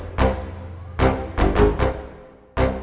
ketika firaun mengambil kerajaan yang sudah terlalu besar